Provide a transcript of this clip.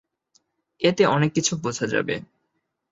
এতে অনেক কিছু বোঝা যাবে।